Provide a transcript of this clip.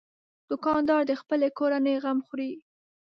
دوکاندار د خپلې کورنۍ غم خوري.